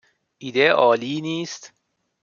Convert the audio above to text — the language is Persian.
ایده عالی نیست؟